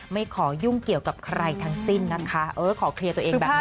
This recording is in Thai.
ไม่ขอยุ่งเกี่ยวกับใครทั้งสิ้นนะคะเออขอเคลียร์ตัวเองแบบนี้